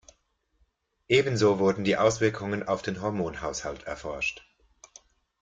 Ebenso wurden die Auswirkungen auf den Hormonhaushalt erforscht.